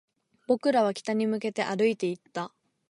僕らは北に向けて歩いていった